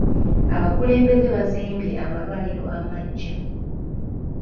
Abakulembeze baazimbye amalwaliro amaggya.